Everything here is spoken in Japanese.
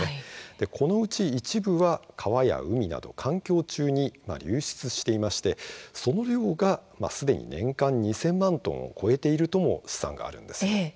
このうち一部は、川や海など環境中に流出していましてその量がすでに年間２０００万トンを超えているとも試算があるんです。